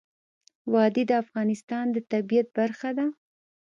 وادي د افغانستان د طبیعت برخه ده.